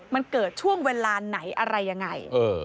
มันเกิดช่วงเวลาไหนอะไรยังไง